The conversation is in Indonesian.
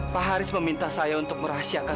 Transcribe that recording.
pak haris meminta saya untuk merahasiakan